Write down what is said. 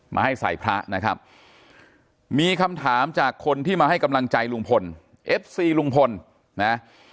มาให้ใส่พระนะครับมีคำถามจากคนที่มาให้กำลังใจลุงพลเอฟซีลุงพลนะ